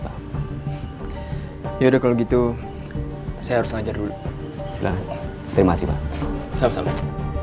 saya akan mencari jalan yang lebih baik